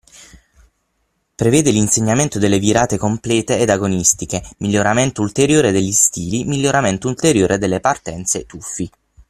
Prevede l’insegnamento delle virate complete ed agonistiche, miglioramento ulteriore degli stili, miglioramento ulteriore delle partenze/tuffi.